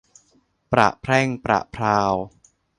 ประแพร่งประแพรว